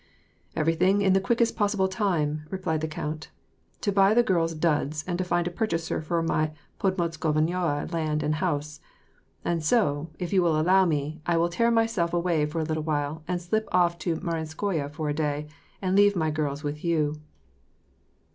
"Everything in the quickest possible time," replied the count. " To buy the girls' duds, and to find a purchaser for my podmoskovnaya land and house. And so, if you will allow me, I will tear myself away for a little while, and slip off to Marinskoye for a day, and leave my girls with you."